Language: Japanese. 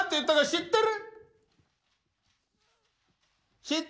知ってる？